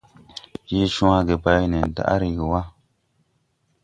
Je cwage bay nen daʼ reege wa.